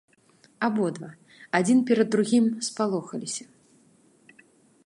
Абодва адзін перад другім спалохаліся.